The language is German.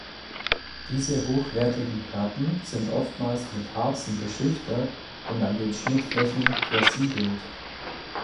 Diese hochwertigen Platten sind oftmals mit Harzen beschichtet und an den Schnittflächen versiegelt.